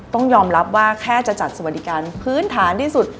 ต้องยอมรับว่าแค่จะจัดสวัสดิการพื้นฐานที่สุด